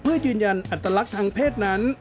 เพื่อยืนยันอัตลักษณ์ทางเพศนั้น